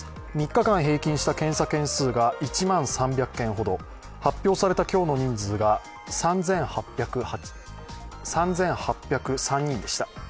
３日間平均した検査件数が１万３００件ほど、発表された今日の人数は７８０３人でした。